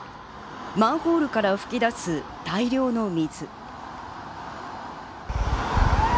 マンホールから噴き出す大量の水。